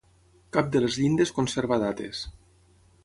Cap de les llindes conserva dates.